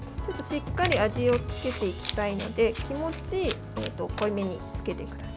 しっかり味をつけていきたいので気持ち濃いめにつけてください。